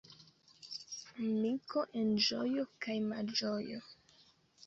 Amiko en ĝojo kaj malĝojo.